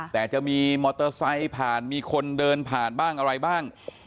แต่จะมีมอเตอร์ไซค์ผ่านมีคนเดินผ่านบ้างอะไรบ้าง